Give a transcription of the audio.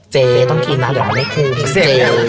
เจ๊ต้องกินนะเดี๋ยวเอาให้ครูกินเจ๊